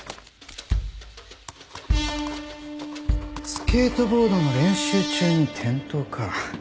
スケートボードの練習中に転倒か。